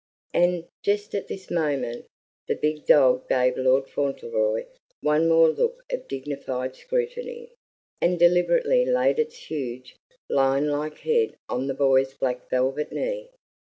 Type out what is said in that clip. And, just at this moment, the big dog gave little Lord Fauntleroy one more look of dignified scrutiny, and deliberately laid its huge, lion like head on the boy's black velvet knee.